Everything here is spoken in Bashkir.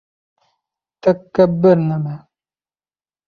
Тәккәббер нәмә.